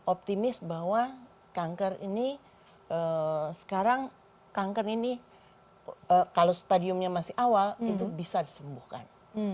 optimis bahwa kanker ini sekarang kanker ini kalau stadiumnya masih awal itu bisa disembuhkan